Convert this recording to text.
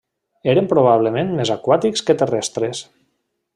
Eren probablement més aquàtics que terrestres.